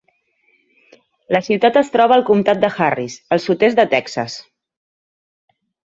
La ciutat es troba al comtat de Harris, al sud-est de Texas.